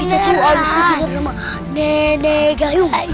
kita tuh abis dikejar sama nenek gayung